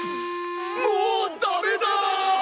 もうダメだ！